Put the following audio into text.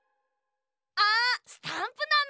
あスタンプなのだ。